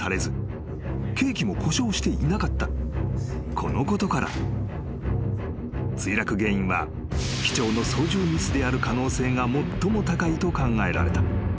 ［このことから墜落原因は機長の操縦ミスである可能性が最も高いと考えられた］